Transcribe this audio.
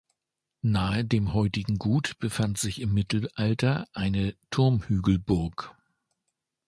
Nahe dem heutigen Gut befand sich im Mittelalter eine Turmhügelburg.